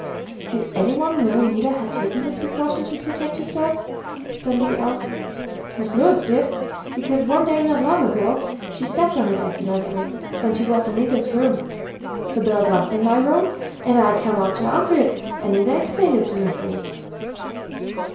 "Did anyone know Nita had taken this precaution to protect herself?" Dundee asked. "Mis' Lois did, because one day not long ago she stepped on it accidentally, when she was in Nita's room. The bell buzzed in my room and I come up to answer it, and Nita explained it to Mis' Lois."